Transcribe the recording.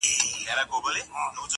په خامه خوله پخه وعده ستایمه,